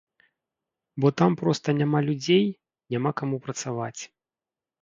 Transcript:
Бо там проста няма людзей, няма каму працаваць.